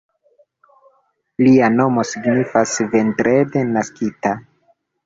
Lia nomo signifas "vendrede naskita.